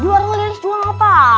di warung lilis jual apa